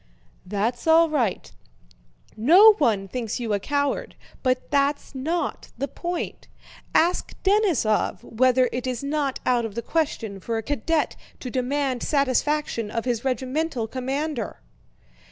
"That's all right. No one thinks you a coward, but that's not the point. Ask Denísov whether it is not out of the question for a cadet to demand satisfaction of his regimental commander?"